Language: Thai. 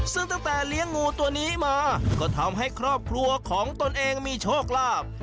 ซึ่งตั้งแต่เลี้ยงงูตัวนี้มาก็ทำให้ครอบครัวของตนเองมีโชคลาภ